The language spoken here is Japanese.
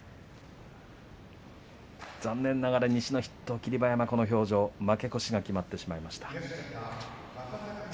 残念ながら西の筆頭霧馬山負け越しが決まってしまいました。